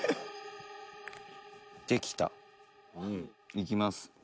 「いきます。